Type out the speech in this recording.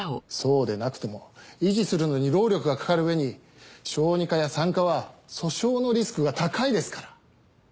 そうでなくても維持するのに労力がかかるうえに小児科や産科は訴訟のリスクが高いですから。